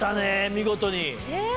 見事に。